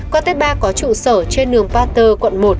qua tết ba có trụ sở trên nường pater quận một